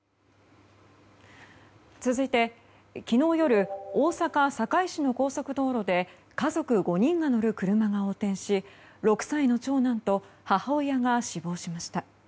続いて、昨日夜大阪・堺市の高速道路で家族５人が乗る車が横転し６歳の長男と母親が死亡しました。